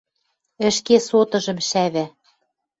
Ӹшке сотыжым шӓвӓ